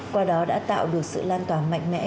qua đó đã tạo được sự lan tỏa mạnh mẽ